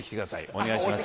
お願いします。